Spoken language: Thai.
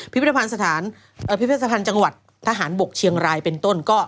พิพิธภัณฑ์จังหวัดทหารบกเชียงรายเป็นต้น